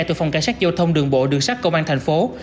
từ phòng cảnh sát giao thông đường bộ đường sát công an tp hcm